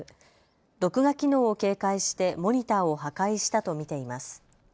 録画機能を警戒してモニターを破壊したと見ています。